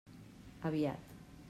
Aviat.